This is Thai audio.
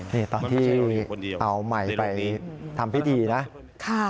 นี่ตอนที่เอาใหม่ไปทำพิธีนะ